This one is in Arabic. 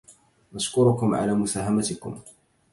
نشكركم على مساهماتكم.